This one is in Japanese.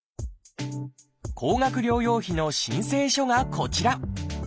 高額療養費の申請書がこちら。